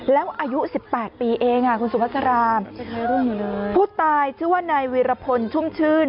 แล้วอายุ๑๘ปีเองคุณสุภาษาราผู้ตายชื่อว่านายวีรพลชุ่มชื่น